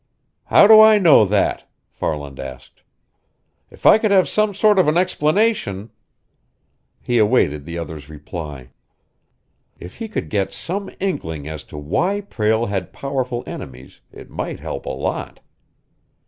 "How do I know that?" Farland asked. "If I could have some sort of an explanation " He awaited the other's reply. If he could get some inkling as to why Prale had powerful enemies, it might help a lot.